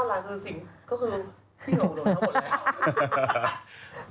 พี่หลงโดยทั้งหมดเลยอะ